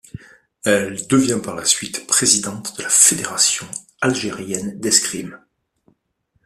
Elle devient par la suite présidente de la Fédération algérienne d'escrime.